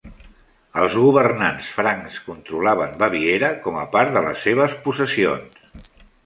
Els governants francs controlaven Baviera com a part de les seves possessions.